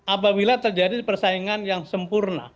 apabila terjadi persaingan yang sempurna